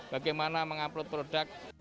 bagaimana mengupload produk